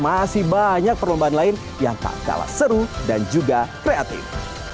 masih banyak perlombaan lain yang tak kalah seru dan juga kreatif